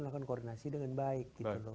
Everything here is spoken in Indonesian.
melakukan koordinasi dengan baik